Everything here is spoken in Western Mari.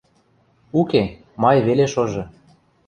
Уке, май веле шожы...